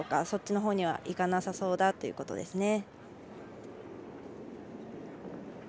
そっちにはいかなさそうだということですね。